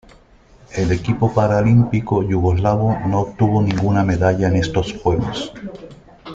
El equipo paralímpico yugoslavo no obtuvo ninguna medalla en estos Juegos.